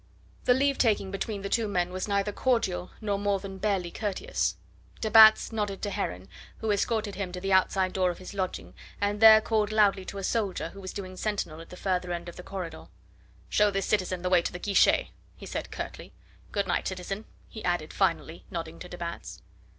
The leave taking between the two men was neither cordial nor more than barely courteous. De Batz nodded to Heron, who escorted him to the outside door of his lodging, and there called loudly to a soldier who was doing sentinel at the further end of the corridor. "Show this citizen the way to the guichet," he said curtly. "Good night, citizen," he added finally, nodding to de Batz.